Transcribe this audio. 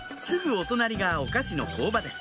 お隣がお菓子の工場です